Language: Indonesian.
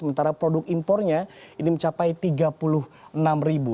sementara produk impornya ini mencapai tiga puluh enam ribu